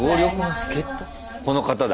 この方だ。